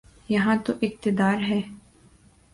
یہاں تو اقتدار ہے۔